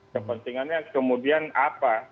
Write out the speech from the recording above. kepentingannya kemudian apa